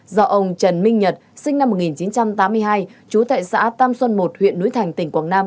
do ông trần minh nhật sinh năm một nghìn chín trăm tám mươi hai trú tại xã tam xuân một huyện núi thành tỉnh quảng nam